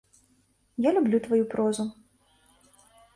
Я люблю тваю прозу.